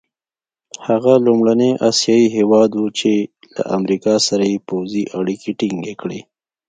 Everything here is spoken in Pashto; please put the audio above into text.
هغه لومړنی اسیایي هېواد وو چې له امریکا سره یې پوځي اړیکي ټینګې کړې.